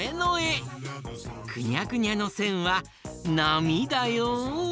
くにゃくにゃのせんはなみだよ！